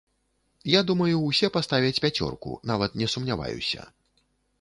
Я думаю, усе паставяць пяцёрку, нават не сумняваюся.